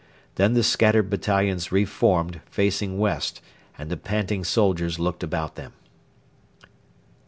Then the scattered battalions re formed facing west, and the panting soldiers looked about them.